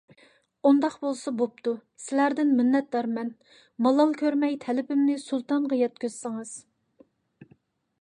ئۇنداق بولسا بوپتۇ. سىلەردىن مىننەتدارمەن. مالال كۆرمەي تەلىپىمنى سۇلتانغا يەتكۈزسىڭىز.